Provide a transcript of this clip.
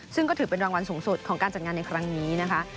ซึ่งก็ถือเป็นรางวัลสูงสุดของการจัดงานในครั้งนี้นะคะ